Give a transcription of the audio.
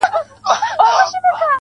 هم راته غم راکړه ته، او هم رباب راکه,